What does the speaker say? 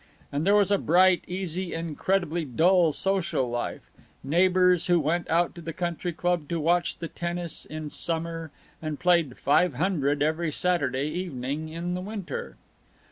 And there was a bright, easy, incredibly dull social life; neighbors who went out to the country club to watch the tennis in summer, and played "five hundred" every Saturday evening in the winter.